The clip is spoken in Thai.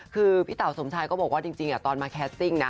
คือพี่เต๋าสมชายก็บอกว่าจริงตอนมาแคสติ้งนะ